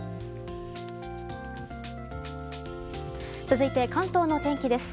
続いて、関東の天気です。